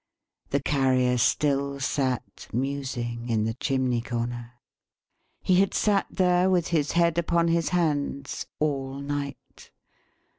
The Carrier still sat, musing, in the chimney corner. He had sat there, with his head upon his hands, all night.